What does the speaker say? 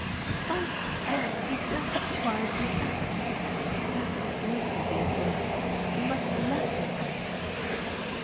"Precisely. He just quietly acts. That's his nature, dear thing. We must LET him act."